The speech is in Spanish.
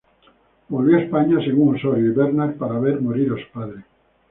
Volvió a España, según Ossorio y Bernard, para ver morir a su padre.